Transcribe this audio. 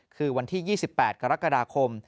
คือวันที่๒๘กรกฎาคม